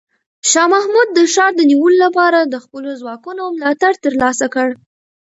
شاه محمود د ښار د نیولو لپاره د خپلو ځواکونو ملاتړ ترلاسه کړ.